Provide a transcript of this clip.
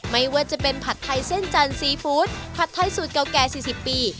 ไม่ว่าจะเป็นผัดไทยเส้นจันทร์ซีฟู้ดผัดไทยสูตรเก่าแก่๔๐ปี